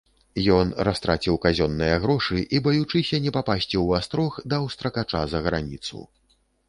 Ён растраціў казённыя грошы і, баючыся не папасці ў астрог, даў стракача за граніцу.